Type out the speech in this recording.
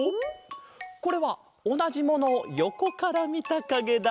これはおなじものをよこからみたかげだ！